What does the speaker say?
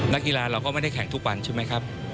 นักกีฬาเราก็ไม่ได้แข่งทุกวันใช่ไหมครับ